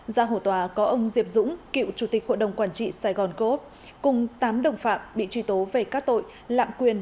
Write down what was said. ra hổ tòa có ông diệp dũng cựu chủ tịch hội đồng quản trị sài gòn cố úc cùng tám đồng phạm bị truy tố về các tội lạm quyền